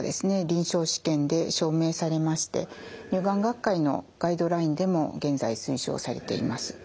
臨床試験で証明されまして乳がん学会のガイドラインでも現在推奨されています。